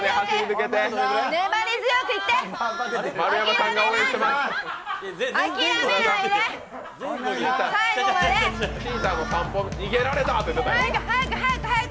粘り強くいって。